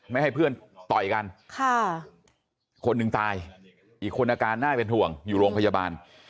ไม่ให้เพื่อนต่อยกันคนหนึ่งตายอีกคนอาการน่าเป็นห่วงอยู่โรงพยาบาล